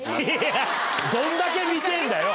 どんだけ見てぇんだよ。